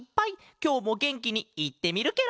きょうもげんきにいってみるケロ！